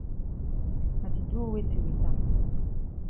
I di do weti wit am?